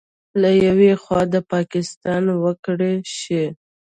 له یوې خوا به پاکستان وکړې شي